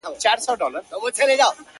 • د تور پيکي والا انجلۍ مخ کي د چا تصوير دی ـ